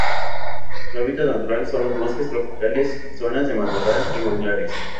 Su hábitat natural son los bosques tropicales, zonas de matorral y manglares.